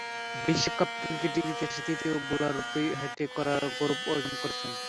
বিশ্বকাপ ক্রিকেটের ইতিহাসে তৃতীয় বোলাররূপে হ্যাট্রিক করার গৌরব অর্জন করেন।